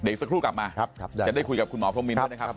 อีกสักครู่กลับมาจะได้คุยกับคุณหมอพรมมินด้วยนะครับ